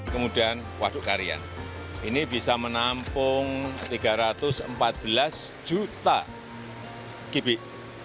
kemudian waduk karian ini bisa menampung tiga ratus empat belas juta kibik